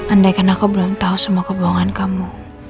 andaikan aku belum tahu semua kebohongan kamu